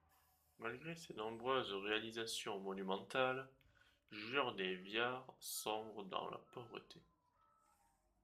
Malgré ses nombreuses réalisations monumentales, Giorné Viard sombre dans la pauvreté.